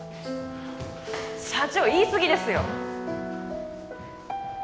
社長言いすぎですよ。